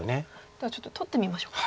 ではちょっと取ってみましょうか。